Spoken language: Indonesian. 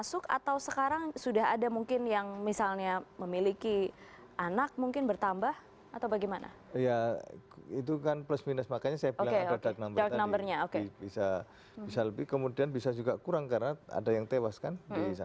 sehingga ini menurut saya